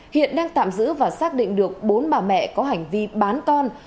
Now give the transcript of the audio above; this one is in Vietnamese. hiện đang tạm giữ và xác định được bốn bà mẹ có hành vi bán con